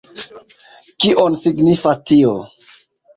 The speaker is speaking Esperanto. Kion signifas tio?